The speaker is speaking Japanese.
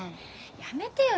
やめてよね。